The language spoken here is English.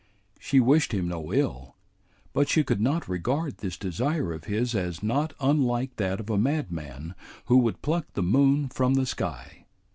She wished him no ill, but she could not regard this desire of his as not unlike that of a madman who would pluck the moon from the sky.